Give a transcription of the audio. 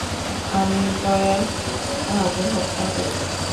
আমি দয়াহীনভাবে হত্যা করব!